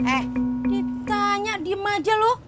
eh ditanya diem aja loh